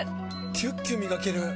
キュッキュ磨ける！